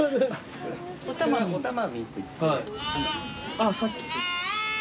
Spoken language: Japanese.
あっさっきと。